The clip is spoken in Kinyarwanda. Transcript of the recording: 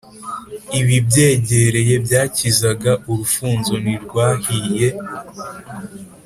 Iba ibyegereye byakizaga, urufunzo ntirwahiye.